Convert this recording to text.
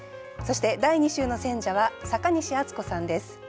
そして第２週の選者は阪西敦子さんです。